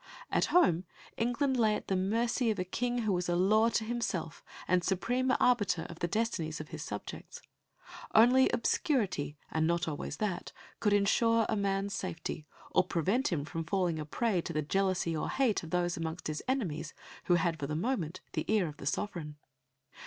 At home, England lay at the mercy of a King who was a law to himself and supreme arbiter of the destinies of his subjects. Only obscurity, and not always that, could ensure a man's safety, or prevent him from falling a prey to the jealousy or hate of those amongst his enemies who had for the moment the ear of the sovereign.